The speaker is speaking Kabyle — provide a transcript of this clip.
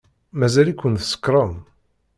Mazal-iken tsekṛem.